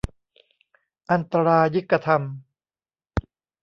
อันตรายิกธรรม